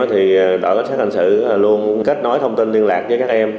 thì đội cách sát thành sự luôn kết nối thông tin liên lạc với các em